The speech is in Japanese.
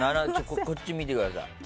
こっち見てください。